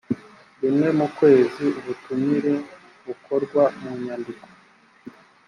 rimwe mu kwezi ubutumire bukorwa mu nyandiko